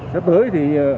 sắp tới thì